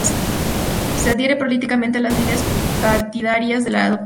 Se adhiere políticamente a las líneas partidarias de la Dra.